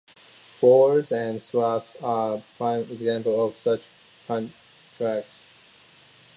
Forwards and swaps are prime examples of such contracts.